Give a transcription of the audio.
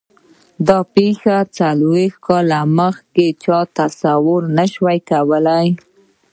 دا پېښې څلوېښت کاله مخکې چا تصور نه شو کولای.